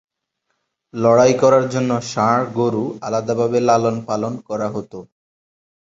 লড়াই করার জন্য ষাঁড় গরু আলাদাভাবে লালন পালন করা হতো।